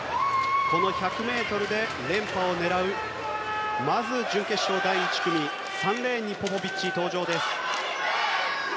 この１００ｍで連覇を狙ってまず準決勝第１組３レーンにポポビッチが登場。